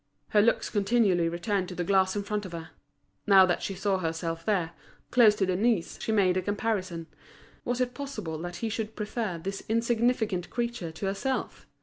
Her looks continually returned to the glass in front of her. Now that she saw herself there, close to Denise, she made a comparison. Was it possible that he should prefer this insignificant creature to herself?